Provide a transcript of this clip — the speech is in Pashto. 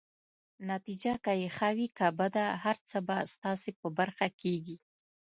نتیجه که يې ښه وي که بده، هر څه به ستاسي په برخه کيږي.